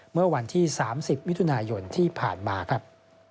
เมื่อวันที่๓๐มิถุนายนที่ผ่านมาครับ